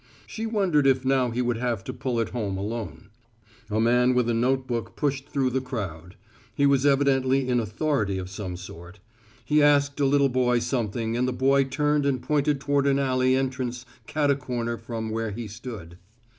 She wondered if now he would have to pull it home alone. A man with a note book pushed through the crowd. He was evidently in authority of some sort. He asked a little boy something and the boy turned and pointed toward an alley entrance cat a corner from where he stood.